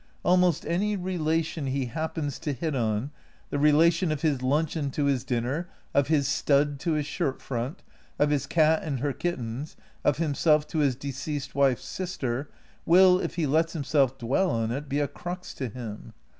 Almost any relation he hap pens to hit on, the relation of his luncheon to his din ner, of his stud to his shirt front, of his cat and her kittens, of himself to his deceased wife's sister, wiU, if he lets himself dwell on it, be a crux to him.